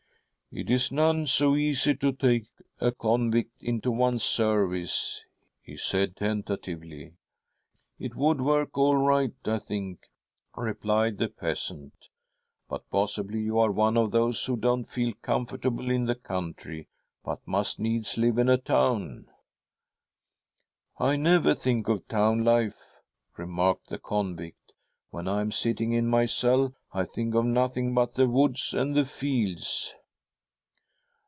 ' It is none sp" easy to take a convict into one's service,' he said tentatively. ' It would work all right, I think,' replied the peasant, ' but possibly you are one of' those who don't feel comfortable in the country) but must needs live in a town.' ' I never think. of town life,' remarked the convict, ' when I am sitting in my cell. I think of nothing but the woods and the fields.'